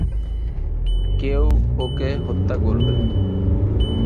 কেউ ওকে হত্যা করবে!